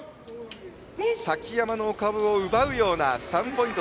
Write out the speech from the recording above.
崎山のお株を奪うような３ポイント。